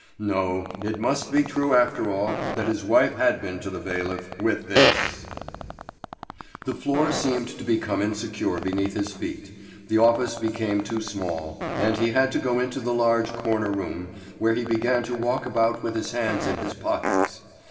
No, it must be true after all that his wife had been to the bailiff with this The floor seemed to become insecure beneath his feet, the office became too small, and he had to go into the large corner room, where he began to walk about with his hands in his pockets.